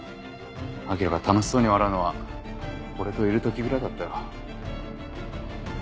彰良が楽しそうに笑うのは俺といる時ぐらいだったよ。